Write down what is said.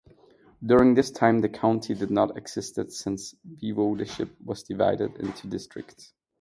During this time the county did not existed since voivodeship was divided into districts.